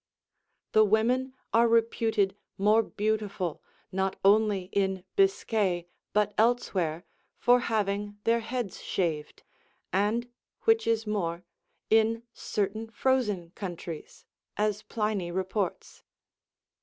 The women are reputed more beautiful, not only in Biscay, but elsewhere, for having their heads shaved; and, which is more, in certain frozen countries, as Pliny reports.